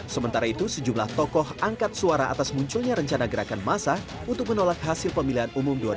sementara itu sejumlah tokoh angkat suara atas munculnya rencana gerakan masa untuk menolak hasil pemilihan umumnya